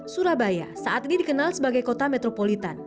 surabaya saat ini dikenal sebagai kota metropolitan